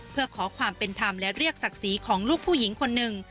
เพื่อขอความเป็นธรรมและเรียกศักดิ์ศรีของลูกผู้หญิงคนหนึ่ง